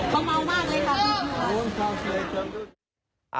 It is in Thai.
เขาเมามากเลยค่ะ